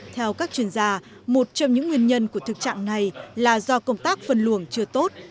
theo các chuyên gia một trong những nguyên nhân của thực trạng này là do công tác phân luồng chưa tốt